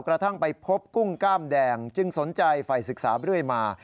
กระทั่งไปพบกุ้งกล้ามแดงจึงสนใจฝ่ายศึกษาเรื่อยมา